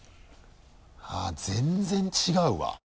あっ全然違うわ。